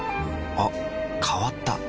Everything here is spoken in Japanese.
あ変わった。